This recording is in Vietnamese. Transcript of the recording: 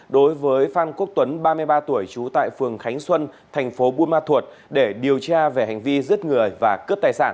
đối với phan quốc tuấn ba mươi ba tuổi trú tại phường khánh xuân thành phố buôn ma thuột để điều tra về hành vi giết người và cướp tài sản